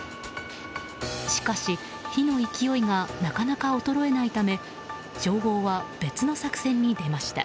しかし、火の勢いがなかなか衰えないため消防は別の作戦に出ました。